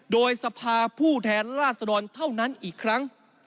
โดยสภาผู้แทนราษฎรเท่านั้นอีกครั้ง